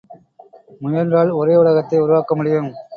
முயன்றால் ஒரே உலகத்தை உருவாக்க முடியும்!